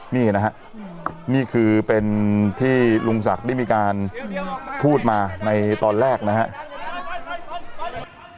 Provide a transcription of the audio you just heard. นี่นะฮะนี่คือเป็นที่ลุงศักดิ์ได้มีการพูดมาในตอนแรกนะครับ